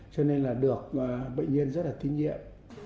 cho nên là được bệnh nhân rất là tín nhiệm